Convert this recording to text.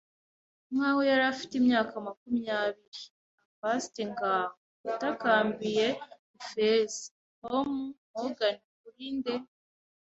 nkaho yari afite imyaka makumyabiri. “Avast, ngaho!” Yatakambiye Ifeza. “Tom Morgan, uri nde?